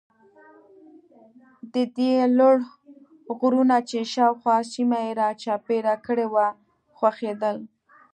د ده یې لوړ غرونه چې شاوخوا سیمه یې را چاپېره کړې وه خوښېدل.